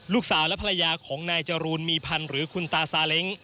ลูกสาวและภรรยาของนายจรูนมีพันธ์หรือคุณตาซาเล้ง